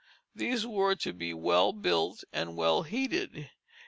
These were to be well built and well heated.